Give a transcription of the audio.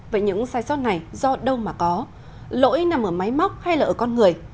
vậy những sai sót này do đâu mà có lỗi nằm ở máy móc hay là ở con người